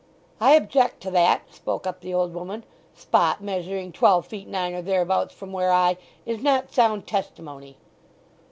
"I object to that," spoke up the old woman, "'spot measuring twelve feet nine or thereabouts from where I,' is not sound testimony!"